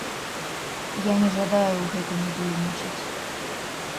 Я не жадаю ў гэтым удзельнічаць.